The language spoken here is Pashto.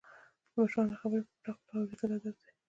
د مشرانو خبرې په پټه خوله اوریدل ادب دی.